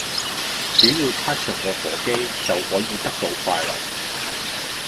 只要撻著個火機就可以得到快樂